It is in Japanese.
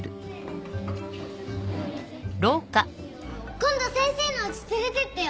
今度先生のお家連れてってよ。